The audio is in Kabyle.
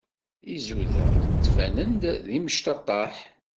Izudaɣ ttbanen-d d imecṭaṭṭaḥ.